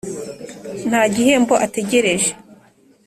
nta gihembo ategereje.